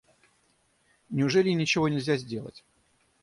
Неужели ничего нельзя сделать?